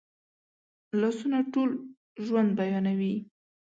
لاسونه ټول ژوند بیانوي